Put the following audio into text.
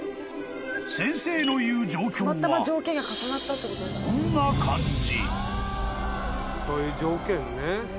［先生の言う状況はこんな感じ］